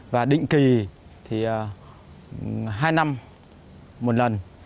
và định kỳ thì hai năm một lần